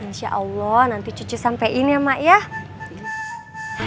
insya allah nanti cucu sampein ya emang